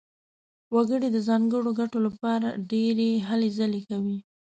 وګړي د ځانګړو ګټو لپاره ډېرې هلې ځلې کوي.